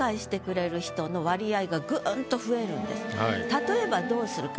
例えばどうするか。